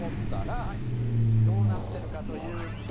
どうなってるかというと。